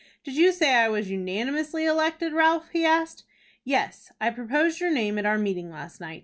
"Did you say I was unanimously elected, Ralph?" he asked. "Yes; I proposed your name at our meeting last night.